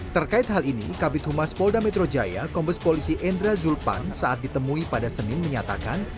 terkait hal ini kabit humas polda metro jaya kombes polisi endra zulpan saat ditemui pada senin menyatakan